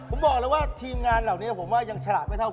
ผมบอกแล้วว่าทีมงานเหล่านี้ผมว่ายังฉลาดไม่เท่า